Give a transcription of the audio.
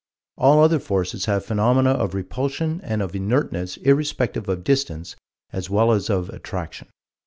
All other forces have phenomena of repulsion and of inertness irrespective of distance, as well as of attraction.